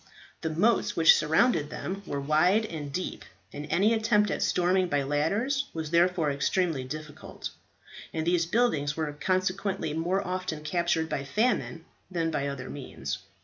The moats which surrounded them were wide and deep, and any attempt at storming by ladders was therefore extremely difficult; and these buildings were consequently more often captured by famine than by other means.